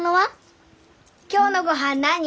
今日のごはん何？